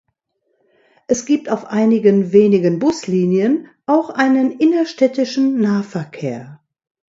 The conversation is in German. Es gibt auf einigen wenigen Buslinien auch einen innerstädtischen Nahverkehr.